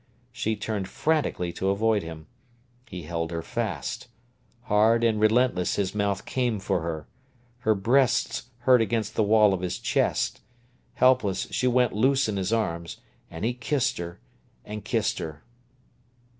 She turned frantically to avoid him. He held her fast. Hard and relentless his mouth came for her. Her breasts hurt against the wall of his chest. Helpless, she went loose in his arms, and he kissed her, and kissed her.